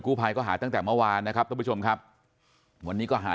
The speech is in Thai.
ภัยก็หาตั้งแต่เมื่อวานนะครับท่านผู้ชมครับวันนี้ก็หา